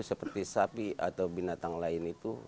seperti sapi atau binatang lain itu